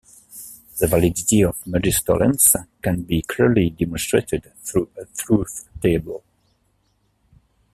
The validity of "modus tollens" can be clearly demonstrated through a truth table.